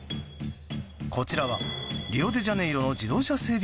こちらはリオデジャネイロの自動車整備